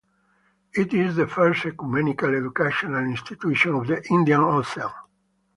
It is the first ecumenical educational institution on the Indian Ocean.